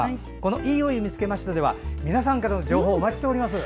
「＃いいお湯見つけました」では皆さんからの情報をお待ちしています。